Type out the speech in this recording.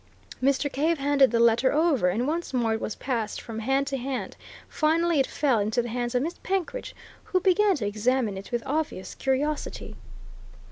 Mr. Cave handed the letter over, and once more it was passed from hand to hand: finally it fell into the hands of Miss Penkridge, who began to examine it with obvious curiosity.